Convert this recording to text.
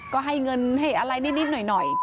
ก็ให้เงินให้อะไรนิดหน่อย